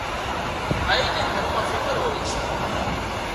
ڀائي نين گھر مان فڪر هوئي سي